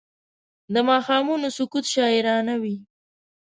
د ماښامونو سکوت شاعرانه وي